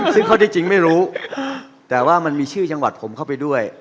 ซึ่งข้อที่จริงไม่รู้แต่ว่ามันมีชื่อจังหวัดผมเข้าไปด้วย